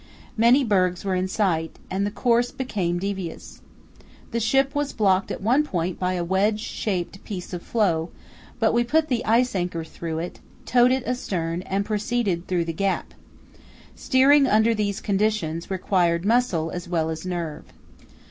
Many bergs were in sight, and the course became devious. The ship was blocked at one point by a wedge shaped piece of floe, but we put the ice anchor through it, towed it astern, and proceeded through the gap. Steering under these conditions required muscle as well as nerve.